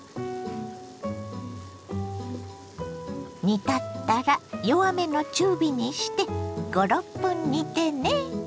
煮立ったら弱めの中火にして５６分煮てね。